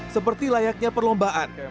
seperti layaknya perlombaan